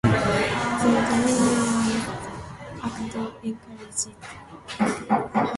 The Dominion Lands Act encouraged homesteaders to come to the area.